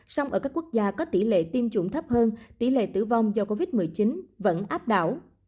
song ở các quốc gia có tỷ lệ tiêm chủng thấp hơn tỷ lệ tử vong do covid một mươi chín vẫn áp đảo